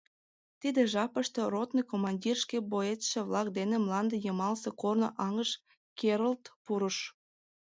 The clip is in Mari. Тиде жапыште ротный командир шке боецше-влак дене мланде йымалсе корно аҥыш керылт пурыш.